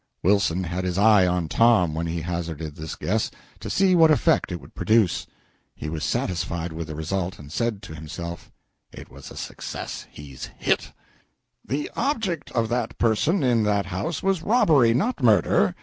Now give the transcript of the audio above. Wilson had his eye on Tom when he hazarded this guess, to see what effect it would produce. He was satisfied with the result, and said to himself, "It was a success he's hit!" "The object of that person in that house was robbery, not murder.